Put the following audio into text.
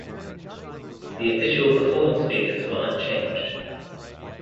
The official performance figures were unchanged.